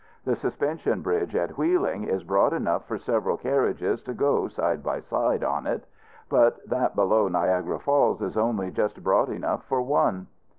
The suspension bridge at Wheeling is broad enough for several carriages to go side by side on it; but that below Niagara Falls is only just broad enough for one.